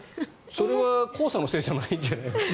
それは黄砂のせいじゃないんじゃないですか？